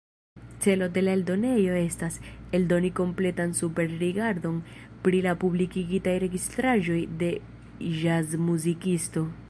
Celo de la eldonejo estas, eldoni kompletan superrigardon pri la publikigitaj registraĵoj de ĵazmuzikisto.